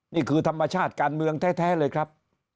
นี่คือธรรมชาติการเมืองแท้เลยครับ